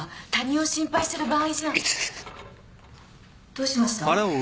どうしました？